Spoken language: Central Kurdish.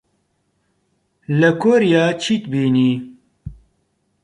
لە کۆریا چیت بینی؟